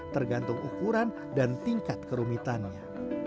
tergantung ukuran dan tingkat kerumitannya